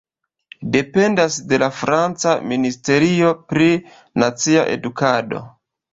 Dependas de la franca Ministerio pri Nacia Edukado.